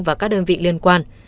và các đơn vị liên quan